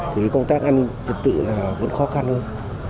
thì công tác an ninh trật tự là vẫn khó khăn hơn